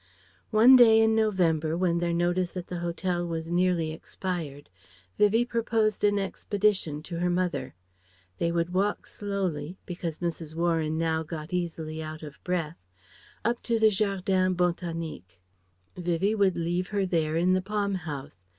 One day in November when their notice at the hotel was nearly expired, Vivie proposed an expedition to her mother. They would walk slowly because Mrs. Warren now got easily out of breath up to the Jardin Bontanique; Vivie would leave her there in the Palm House.